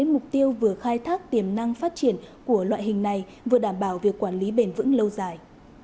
mục tiêu vừa khai thác tiềm năng phát triển của loại hình này vừa đảm bảo việc quản lý bền vững lâu dài